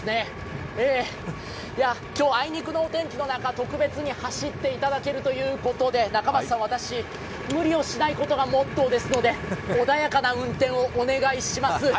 今日、あいにくのお天気の中、特別に走っていただけるということで中町さん、私、無理をしないことがモットーですので穏やかな運転をお願いします。